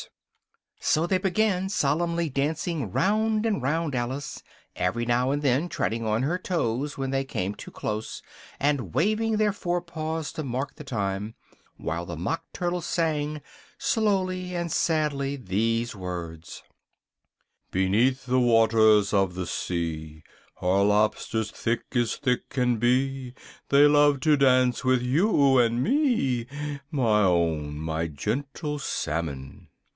So they began solemnly dancing round and round Alice, every now and then treading on her toes when they came too close, and waving their fore paws to mark the time, while the Mock Turtle sang, slowly and sadly, these words: "Beneath the waters of the sea Are lobsters thick as thick can be They love to dance with you and me, My own, my gentle Salmon!"